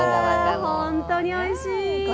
本当においしい。